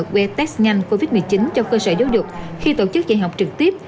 que test nhanh covid một mươi chín trong cơ sở giáo dục khi tổ chức dạy học trực tiếp